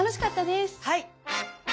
はい。